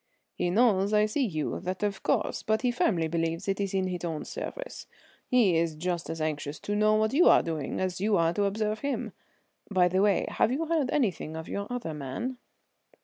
"He knows I see you, that of course, but he firmly believes it is in his own service. He is just as anxious to know what you are doing as you are to observe him. By the way, have you heard anything of your other man?"